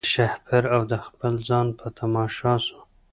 د شهپر او د خپل ځان په تماشا سو